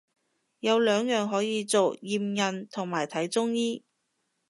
有兩樣可以做，驗孕同埋睇中醫